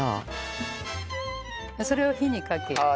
それを火にかけて。